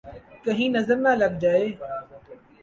!کہیں نظر نہ لگ جائے